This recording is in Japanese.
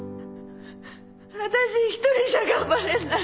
私一人じゃ頑張れない。